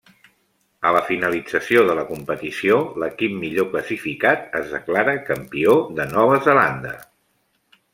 A la finalització de la competició, l'equip millor classificat es declara campió de Nova Zelanda.